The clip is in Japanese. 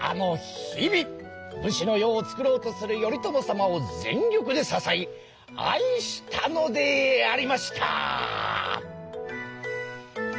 武士の世を作ろうとする頼朝様を全力で支え愛したのでありました！」。